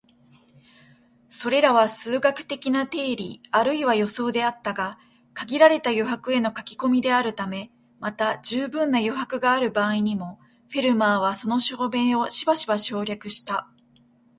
それらは数学的な定理あるいは予想であったが、限られた余白への書き込みであるため、また充分な余白がある場合にも、フェルマーはその証明をしばしば省略した